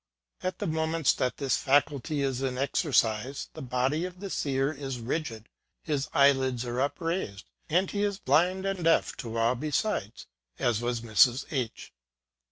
At the moments that this faculty is in exercise, the body of the seer is rigid ; his eyelids are up raised, and he is blind and deaf to all besides, as was Mrs. H